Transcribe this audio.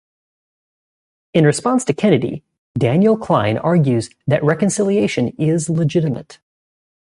In response to Kennedy, Daniel Klein argues that reconciliation is legitimate.